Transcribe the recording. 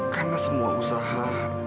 karena semua usaha